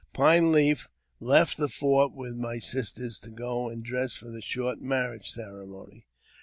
Pine Leaf left the fort with my sisters to go and dress for the short marriage ceremony.